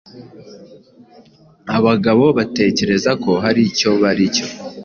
Abagabo batekereza ko hari icyo bari cyo.